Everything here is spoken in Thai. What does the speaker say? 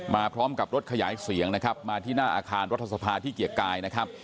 มาพร้อมกับรถขยายเสียงมาที่หน้าอาคารระทธศพาที่เกียรติกาย